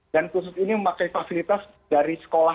dan kursus ini memakai fasilitas dari sekolah